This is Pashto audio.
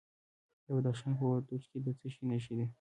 د بدخشان په وردوج کې د څه شي نښې دي؟